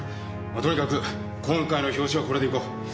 まとにかく今回の表紙はこれでいこう。